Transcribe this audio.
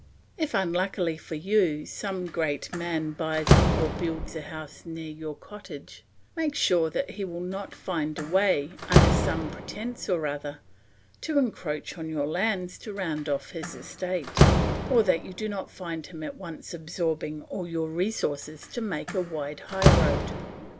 If unluckily for you some great man buys or builds a house near your cottage, make sure that he will not find a way, under some pretence or other, to encroach on your lands to round off his estate, or that you do not find him at once absorbing all your resources to make a wide highroad.